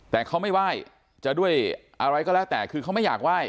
แต่เขาไม่ไหว้จะด้วยอะไรก็แล้วแต่คือเขาไม่อยากไหว้